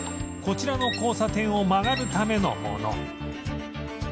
こちらの交差点を曲がるためのもの